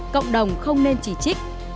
cộng đồng không nên chỉ trích